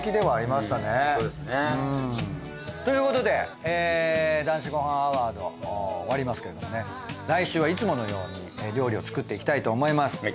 本当ですね。ということで男子ごはんアワード終わりますけれどもね来週はいつものように料理を作っていきたいと思います。